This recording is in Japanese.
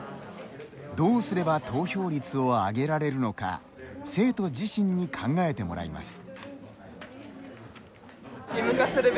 どうすれば投票率を上げられるのか生徒自身に考えてもらいます。